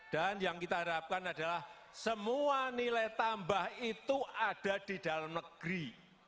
dan yang kita harapkan adalah semua nilai tambah itu ada di dalam negeri